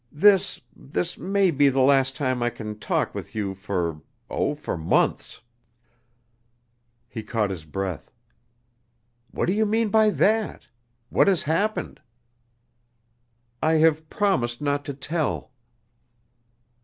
This this may be the last time I can talk with you for oh, for months." He caught his breath. "What do you mean by that? What has happened?" "I have promised not to tell."